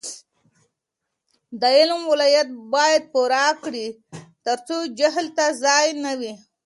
د علم ولایت باید پوره کړي ترڅو جهل ته ځای نه وي.